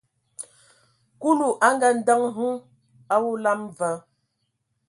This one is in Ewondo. Kulu a ngaandǝŋ hm a olam va,